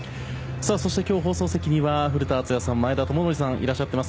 そして今日、放送席には古田敦也さん、前田智徳さんがいらっしゃっています。